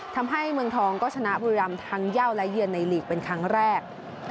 เมืองทองก็ชนะบุรีรำทั้งเย่าและเยือนในลีกเป็นครั้งแรก